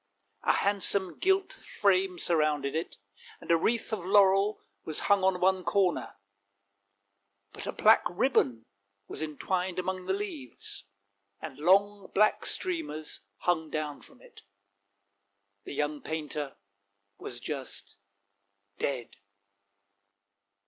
A handsome gilt frame surrounded it, and a wreath of laurel was hung on one corner ; but a black ribbon was entwined among the leaves, and long black streamers hung down from it. The young painter was just — dead!